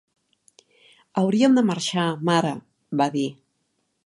"Hauríem de marxar, mare", va dir.